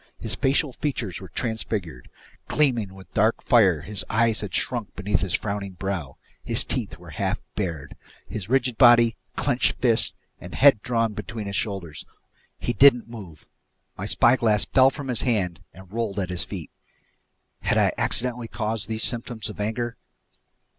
His facial features were transfigured. Gleaming with dark fire, his eyes had shrunk beneath his frowning brow. His teeth were half bared. His rigid body, clenched fists, and head drawn between his shoulders, all attested to a fierce hate breathing from every pore. He didn't move. My spyglass fell from his hand and rolled at his feet. Had I accidentally caused these symptoms of anger?